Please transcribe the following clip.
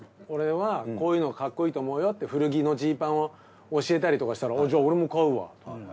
俺はこういうのがかっこいいと思うよって古着のジーパンを教えたりとかしたらじゃ俺も買うわ。